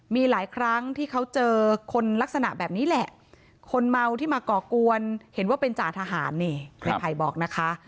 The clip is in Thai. มีหลายครั้งที่เขาเจอคนลักษณะแบบนี้แหละคนเมาที่มาก่อกวนเห็นว่าเป็นจ่าทหารนี่ในภัยบอกนะคะ